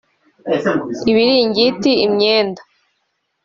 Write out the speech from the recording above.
ibiringiti imyenda